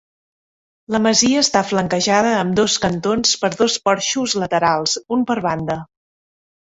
La masia està flanquejada a ambdós cantons per dos porxos laterals -un per banda-.